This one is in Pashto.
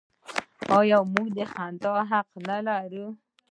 آیا موږ د خندا حق نلرو؟